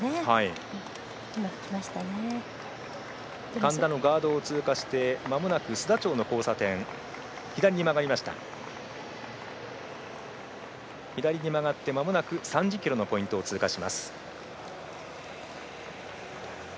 神田のガードを通過してまもなく須田町の交差点左に曲がって３０ｋｍのポイント通過します。